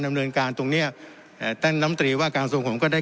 ดำเนินการตรงเนี้ยเอ่อท่านน้ำตรีว่าการทรงผมก็ได้